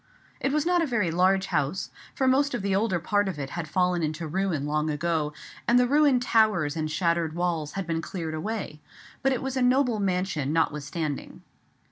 It was not a very large house, for most of the older part of it had fallen into ruin long ago, and the ruined towers and shattered walls had been cleared away; but it was a noble mansion notwithstanding.